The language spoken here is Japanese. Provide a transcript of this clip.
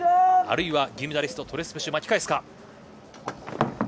あるいは銀メダリストトレスプシュ、巻き返すか。